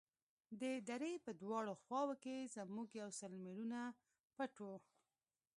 د درې په دواړو خواوو کښې زموږ يو سل مېړونه پټ وو.